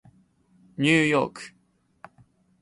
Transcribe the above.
ニューヨーク